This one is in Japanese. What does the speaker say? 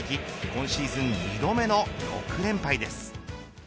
今シーズン２度目の６連敗です。